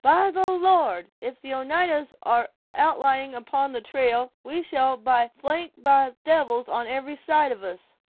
"By the Lord, if the Oneidas are outlying upon the trail, we shall by flanked by devils on every side of us!